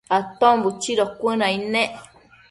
Aton buchido cuënaid nec